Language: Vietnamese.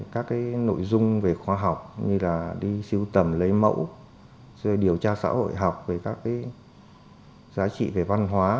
các cái nội dung về khoa học như là đi siêu tầm lấy mẫu rồi điều tra xã hội học về các cái giá trị về văn hóa